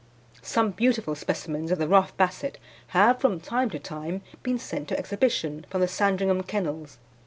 Some beautiful specimens of the rough Basset have from time to time been sent to exhibition from the Sandringham kennels.